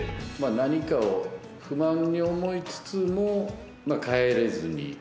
何かを不満に思いつつも変えれずに。